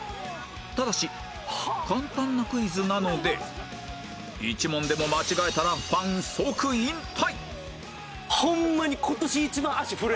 ただし簡単なクイズなので１問でも間違えたらファン即引退